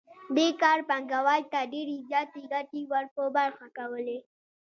دې کار پانګوال ته ډېرې زیاتې ګټې ور په برخه کولې